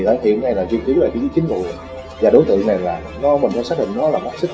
đối tượng này là chuyên cứu là chính phủ và đối tượng này là nó mình có xác định nó là mắc xích